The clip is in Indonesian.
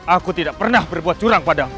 aku tidak pernah berbuat curang padamu